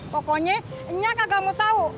pokoknya nyak kagak mau tau